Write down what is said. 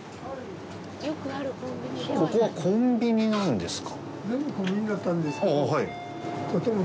ここは、コンビニなんですか？